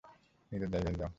নিজের জায়গায় যাও।